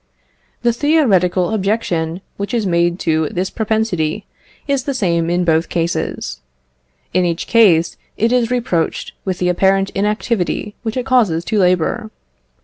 The theoretical objection which is made to this propensity is the same in both cases. In each case it is reproached with the apparent inactivity which it causes to labour.